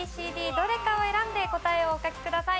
どれかを選んで答えをお書きください。